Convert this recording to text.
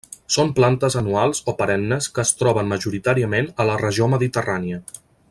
Són plantes anuals o perennes que es troben majoritàriament a la regió mediterrània.